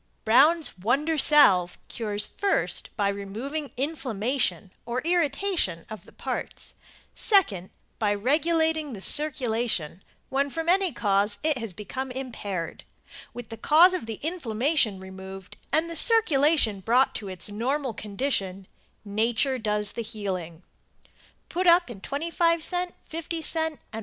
Brown's Wonder Salve cures first by removing inflammation or irritation of the parts; second by regulating the circulation when from any cause it has become impaired. With the cause of the inflammation removed and the circulation brought to its normal condition nature does the healing. Put up in 25c, 50c and $1.